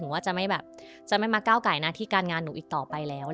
ว่าจะไม่มาก้าวแก่นาทีการงานหนูอีกต่อไปแล้ว